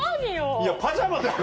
いやパジャマだろ。